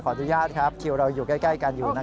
อนุญาตครับคิวเราอยู่ใกล้กันอยู่